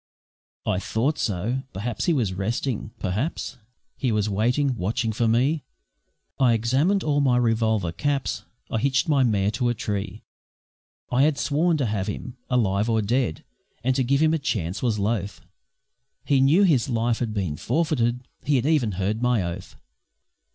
I thought so. Perhaps he was resting. Perhaps He was waiting, watching for me. I examined all my revolver caps, I hitched my mare to a tree I had sworn to have him, alive or dead, And to give him a chance was loth. He knew his life had been forfeited He had even heard of my oath.